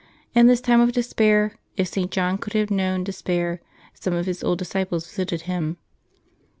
In this time of despair, if St. John could have known de spair, some of his old disciples visited him.